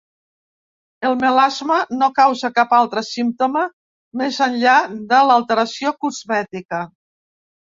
El melasma no causa cap altre símptoma més enllà de l'alteració cosmètica.